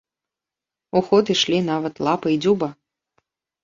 У ход ішлі нават лапы і дзюба.